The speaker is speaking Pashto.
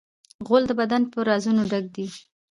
غول د بدن په رازونو ډک دی.